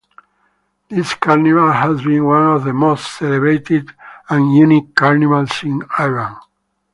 This carnival has been one of the most celebrated and unique carnivals in Iran.